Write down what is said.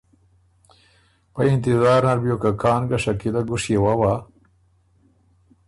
پۀ انتطار نر بیوک که کان ګه شکیلۀ ګُشيې ووا،